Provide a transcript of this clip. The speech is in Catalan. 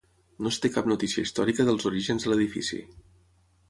No es té cap notícia històrica dels orígens de l'edifici.